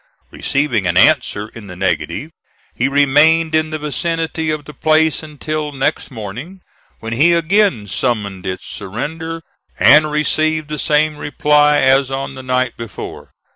Receiving an answer in the negative, he remained in the vicinity of the place until next morning, when he again summoned its surrender, and received the same reply as on the night before.